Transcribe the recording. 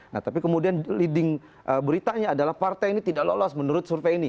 nah tapi kemudian leading beritanya adalah partai ini tidak lolos menurut survei ini